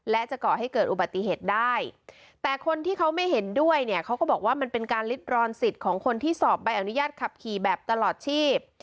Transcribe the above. และจะก่อให้เกิดอุบัติเหตุได้แต่คนที่เขาไม่เห็นด้วยเนี่ยเขาก็บอกว่ามันเป็นการลิดรอนสิทธิ์ของคนที่สอบใบอนุญาตขับขี่แบบตลอดชีพ